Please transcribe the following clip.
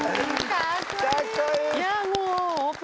かっこいい。